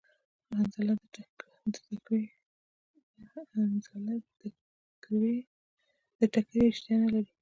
حنظله د تکری اشتها نلری